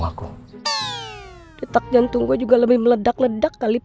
aduh ya allah andin